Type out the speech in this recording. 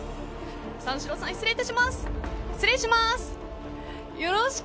三四郎さん、失礼いたします。